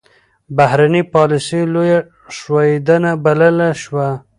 بهرنۍ پالیسي لویه ښوېېدنه بلل شوه.